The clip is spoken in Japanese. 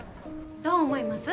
どう思います？